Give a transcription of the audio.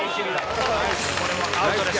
これもアウトです。